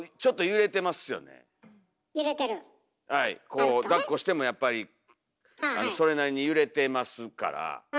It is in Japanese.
こうだっこしてもやっぱりそれなりに揺れてますからはい。